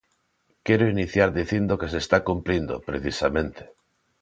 Quero iniciar dicindo que se está cumprindo, precisamente.